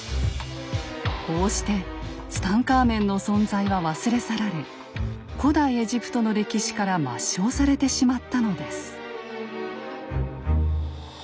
こうしてツタンカーメンの存在は忘れ去られ古代エジプトの歴史から抹消されてしまったのです。